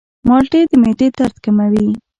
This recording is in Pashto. مالټې د معدې درد کموي.